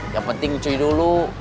yang penting cuy dulu